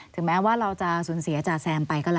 แม้ว่าเราจะสูญเสียจาแซมไปก็แล้ว